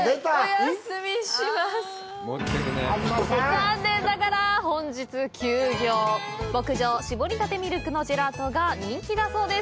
残念ながら本日休業牧場搾りたてミルクのジェラートが人気だそうです